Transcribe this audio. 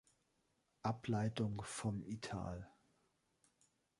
Ableitung vom ital.